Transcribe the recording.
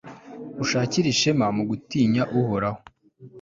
ushakire ishema mu gutinya uhoraho